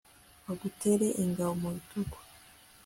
bagutere ingabo mu bitugu